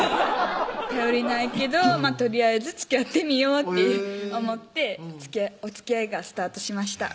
頼りないけどとりあえずつきあってみようって思っておつきあいがスタートしました